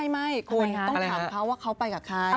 ไม่คุณต้องถามเขาว่าเขาไปกับใคร